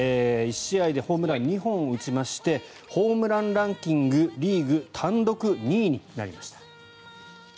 １試合でホームラン２本を打ちましてホームランランキングリーグ単独２位になりました。